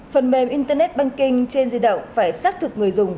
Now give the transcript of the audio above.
phần mềm internet banking trên di động phải xác thực người dùng